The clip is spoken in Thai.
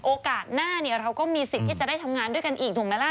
โอกาสหน้าเนี่ยเราก็มีสิทธิ์ที่จะได้ทำงานด้วยกันอีกถูกไหมล่ะ